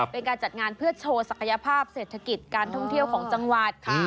เป็นการจัดงานเพื่อโชว์ศักยภาพเศรษฐกิจการท่องเที่ยวของจังหวัด